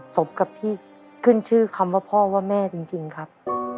สมกับที่ขึ้นชื่อคำว่าพ่อว่าแม่จริงครับ